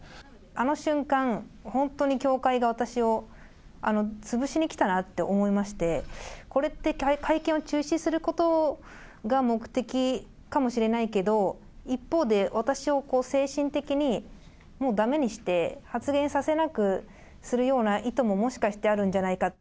あの瞬間、本当に教会が私を潰しにきたなって思いまして、これって、会見を中止することが目的かもしれないけど、一方で私を精神的にもうだめにして、発言させなくするような意図ももしかしてあるんじゃないか。